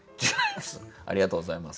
ありがとうございます。